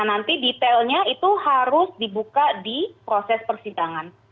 nanti detailnya itu harus dibuka di proses persidangan